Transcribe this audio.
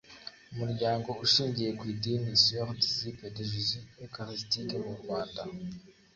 umuryango ushingiye ku idini soeurs disciples de jesus eucharistique mu rwanda